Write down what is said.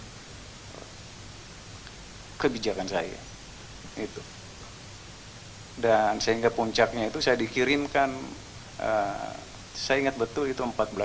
hai kebijakan saya itu hai dan sehingga puncaknya itu saya dikirimkan saya ingat betul itu empat belas ane